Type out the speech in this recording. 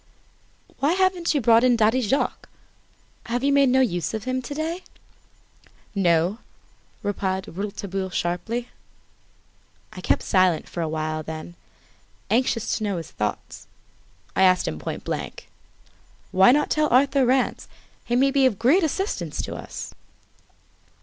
"Why haven't you brought in Daddy Jacques? Have you made no use of him to day?" "No," replied Rouletabille sharply. I kept silence for awhile, then, anxious to know his thoughts, I asked him point blank: "Why not tell Arthur Rance? He may be of great assistance to us?"